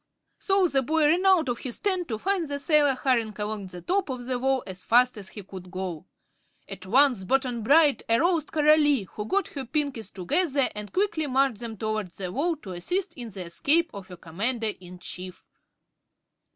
So the boy ran out of his tent to find the sailor hurrying along the top of the wall as fast as he could go. At once Button Bright aroused Coralie, who got her Pinkies together and quickly marched them toward the wall to assist in the escape of her Commander in Chief.